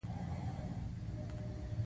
کاهلي بد دی.